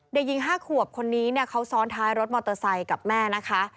เด็กหญิง๕ขวบคนนี้เนี่ยเขาซ้อนท้ายรถมอเตอร์ไซค์กับแม่นะคะ